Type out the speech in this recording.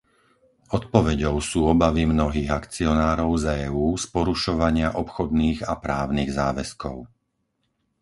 Odpoveďou sú obavy mnohých akcionárov z EÚ z porušovania obchodných a právnych záväzkov.